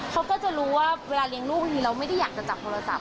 เขาก็จะรู้ว่าเวลาเลี้ยงลูกบางทีเราไม่ได้อยากจะจับโทรศัพท์